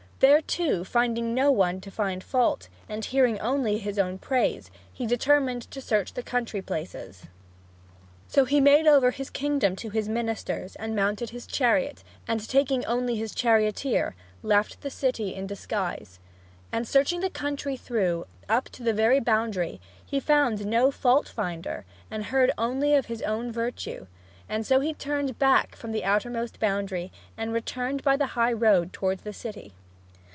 And there too finding no one to find fault, and hearing only his own praise, he determined to search the country places. So he made over the kingdom to his ministers, and mounted his chariot; and taking only his charioteer, left the city in disguise. And searching the country through, up to the very boundary, he found no fault finder, and heard only of his own virtue; and so he turned back from the outer most boundary, and returned by the high road towards the city.